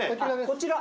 こちら。